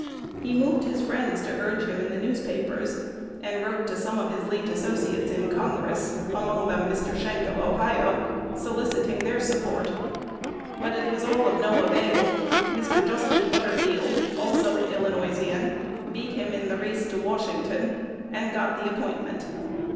He moved his friends to urge him in the newspapers, and wrote to some of his late associates in Congress (among them Mr. Schenck of Ohio), soliciting their support. But it was all of no avail; Mr. Justin Butterfield (also an Illinoisian) beat him in the race to Washington, and got the appointment.